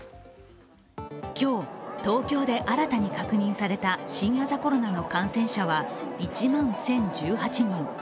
今日、東京で新たに確認された新型コロナの感染者は１万１０１８人。